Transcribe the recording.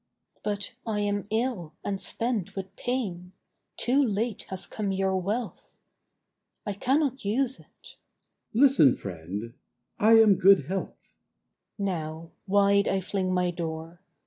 MORTAL: 'But I am ill and spent with pain; too late has come your wealth. I cannot use it.' THE NEW YEAR: 'Listen, friend; I am Good Health.' MORTAL: 'Now, wide I fling my door.